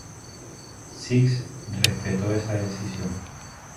Sixx respetó esa decisión.